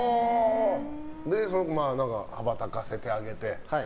その子を羽ばたかせてあげて。